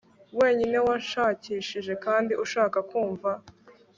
wenyine, wanshakishije, kandi ushaka kumva